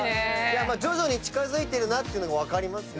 徐々に近づいてるなっていうのが分かります。